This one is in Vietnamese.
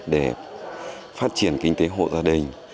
để phát triển kinh tế hộ gia đình